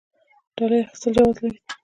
ډالۍ اخیستل جواز لري؟